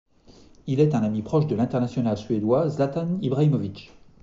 Il est un ami proche de l'international suédois Zlatan Ibrahimović.